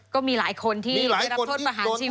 ก็มีหลายคนที่ได้รับโทษประหารชีวิต